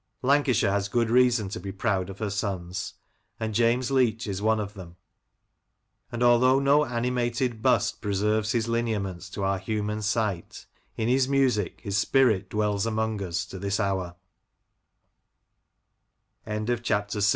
Lancashire has good reason to be proud of her sons, and James Leach is one of them, and although no animated bust preserves his lineaments to our human sight, in his music his spirit dwells among